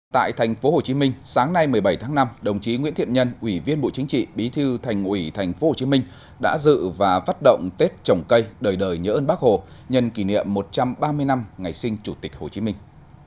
tại tp hcm sáng nay một mươi bảy tháng năm đồng chí nguyễn thiện nhân ủy viên bộ chính trị bí thư thành ủy tp hcm đã dự và phát động tết trồng cây đời đời nhớ ơn bác hồ nhân kỷ niệm một trăm ba mươi năm ngày sinh chủ tịch hồ chí minh